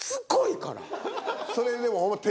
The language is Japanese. それでも。